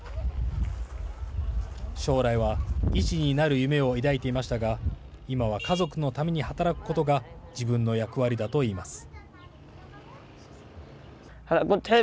将来は医師になる夢を抱いていましたが今は家族のために働くことが自分の役割だといいます。